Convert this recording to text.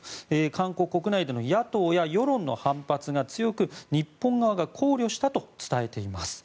韓国国内での野党や世論の反発が強く日本側が考慮したと伝えています。